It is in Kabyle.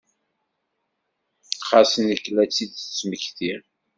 Xas nekk la tt-id-tmektiɣ.